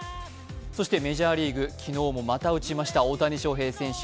そしてメジャーリーグ、昨日もまた打ちました、大谷翔平選手。